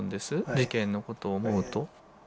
事件のことを思うと。